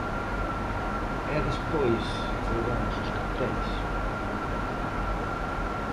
E despois colgamos os carteis...